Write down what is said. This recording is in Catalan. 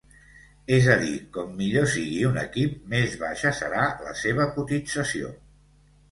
És a dir, com millor sigui un equip, més baixa serà la seva cotització.